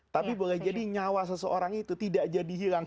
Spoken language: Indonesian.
tapi boleh jadi nyawa seseorang itu tidak jadi hilang